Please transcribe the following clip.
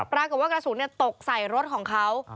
ราคาว่ากระสุนตกใส่รถของเขา